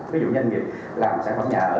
ví dụ nhân việc làm sản phẩm nhà ở